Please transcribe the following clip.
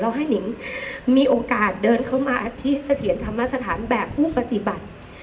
ให้นิงมีโอกาสเดินเข้ามาอธิเสถียรธรรมสถานแบบผู้ปฏิบัติ